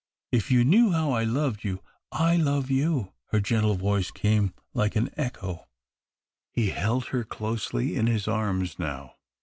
" If you knew how I loved you !"" I love you !" Her gentle voice came like an echo. He held her closely in his arms now.